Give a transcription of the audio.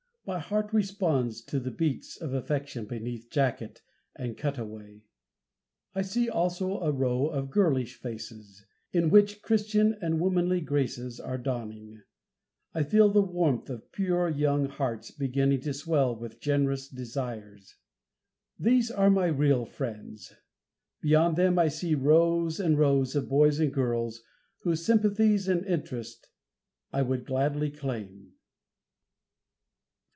My heart responds to the beats of affection beneath jacket and cut away. I see also a row of girlish faces, in which Christian and womanly graces are dawning. I feel the warmth of pure young hearts beginning to swell with generous desires. These are my real friends. Beyond them I see rows and rows of boys and girls whose sympathies and interest I would gladly claim.